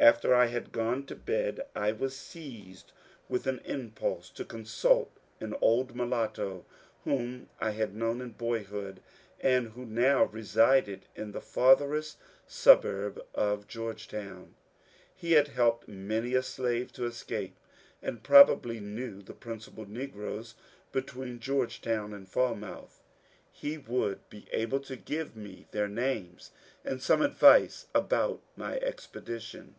After I had gone to bed I was seized with an impulse to consult an old mulatto whom I had known in boyhood and who now resided in the farthest suburb of Georgetown. He had helped many a slave to escape, and probably knew the prin cipal negroes between Georgetown and Falmouth. He would be able to give me their names and some advice about my expedition.